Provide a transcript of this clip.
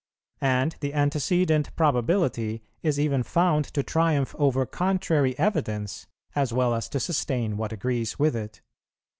And the antecedent probability is even found to triumph over contrary evidence, as well as to sustain what agrees with it.